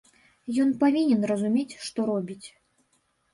Ён павінен разумець, што робіць.